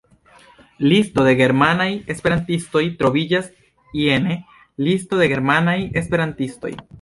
Listo de germanaj esperantistoj troviĝas jene: Listo de germanaj esperantistoj.